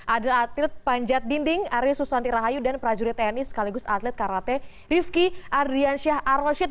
adel atlet panjat dinding aris susanti rahayu dan prajurit tenis sekaligus atlet karate rifki ardiansyah aroshid